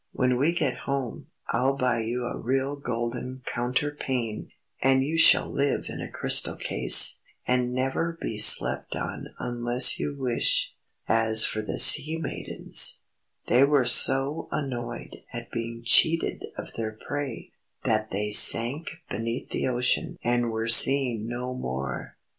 "When we get home, I'll buy you a real golden counterpane, and you shall live in a crystal case, and never be slept on unless you wish." As for the sea maidens they were so annoyed at being cheated of their prey, that they sank beneath the ocean and were seen no more.